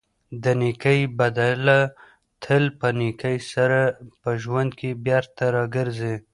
د نېکۍ بدله تل په نېکۍ سره په ژوند کې بېرته راګرځي.